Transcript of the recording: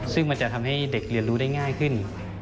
ซึ่งมันจะทำให้เด็กเรียนรู้ได้ง่ายขึ้น